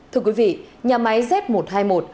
thưa quý vị nhà máy z một trăm hai mươi một